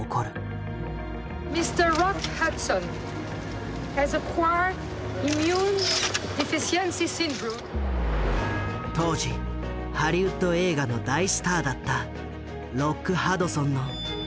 当時ハリウッド映画の大スターだったロック・ハドソンの突然のエイズ告白。